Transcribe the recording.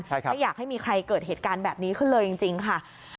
ไม่อยากให้มีใครเกิดเหตุการณ์แบบนี้ขึ้นเลยจริงค่ะ